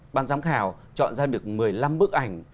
ban giám khảo chọn ra được một mươi năm bức ảnh